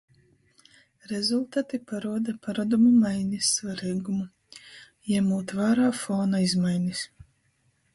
Rezultati paruoda parodumu mainis svareigumu: jemūt vārā fona izmainis.